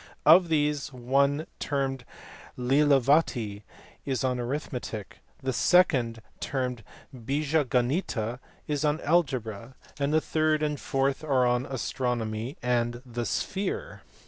Of these one termed Lilavati is on arithmetic ; a second termed Bija Ganita is on algebra; the third and fourth BHASKARA. 157 are on astronomy and the sphere*.